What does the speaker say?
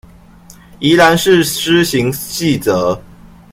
宜蘭市施行細則